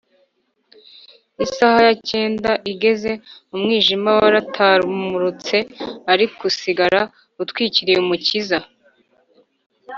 isaha ya cyenda igeze, umwijima waratamurutse, ariko usigara utwikiriye umukiza